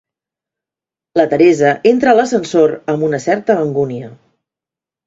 La Teresa entra a l'ascensor amb una certa angúnia.